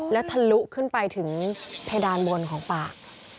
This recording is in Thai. แล้วทะลุขึ้นไปถึงเพดานบนของปาก